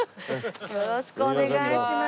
よろしくお願いします。